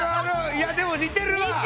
いやでも似てるわ。